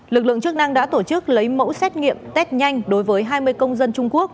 lực lượng chức năng đã tổ chức lấy mẫu xét nghiệm test nhanh đối với hai mươi công dân trung quốc